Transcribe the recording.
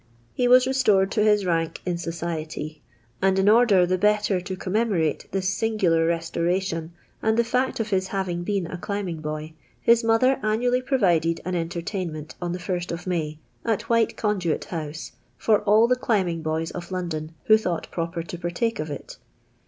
He was restored to his rank in society, and in order the better to commemorate this singular restoration, and the foct of his having been a climbing boy, his mother annually provided an entertainment on the 1st of May, at White Conduit House, for all the climbing^boys of London who thought proper to partake of it.